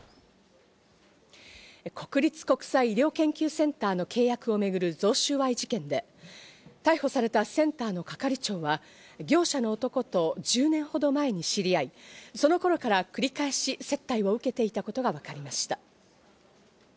国立国際医療研究センターの契約を巡る贈収賄事件で、逮捕されたセンターの係長は業者の男と１０年ほど前に知り合い、その頃から繰り返し接待を受けてきたことがわかりました。